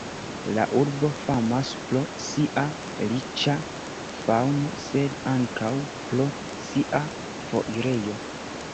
La urbo famas pro sia riĉa faŭno, sed ankaŭ pro sia foirejo.